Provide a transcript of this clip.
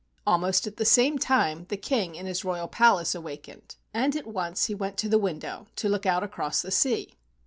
Almost at the same time the King in his royal palace awakened, and at once he went to the window to look out across the sea.